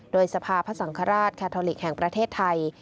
โดยสภาพสังฆราชแคทอลิกแห่งประเทศไทย